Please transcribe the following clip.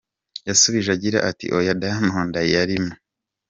yasubije agira ati, Oya, Daimond yarimo.